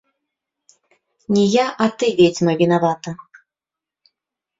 Не я, а ты, ведзьма, вінавата!